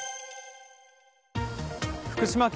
福島県